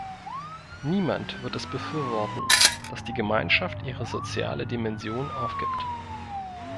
Niemand wird es befürworten, dass die Gemeinschaft ihre soziale Dimension aufgibt.